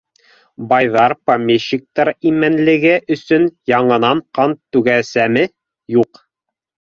Байҙар, помещиктар именлеге өсөн яңынан ҡан түгәсәгем юҡ.